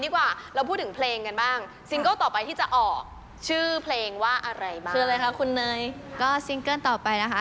ก็ซิงเกิลต่อไปนะคะ